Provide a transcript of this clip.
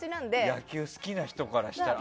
野球好きな人からしたらね。